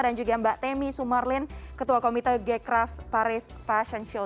dan juga mbak temi sumerlin ketua komite g craft paris fashion show